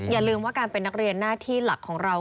อย่าลืมว่าการเป็นนักเรียนหน้าที่หลักของเรา